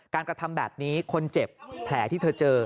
กระทำแบบนี้คนเจ็บแผลที่เธอเจอ